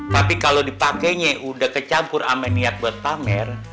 tapi kalo dipakenya udah kecampur ama niat buat pamer